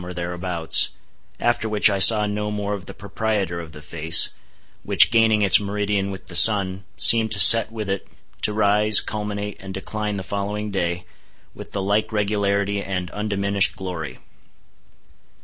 or thereabouts, after which I saw no more of the proprietor of the face, which gaining its meridian with the sun, seemed to set with it, to rise, culminate, and decline the following day, with the like regularity and undiminished glory.